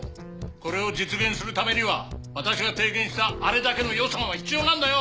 これを実現するためには私が提言したあれだけの予算は必要なんだよ！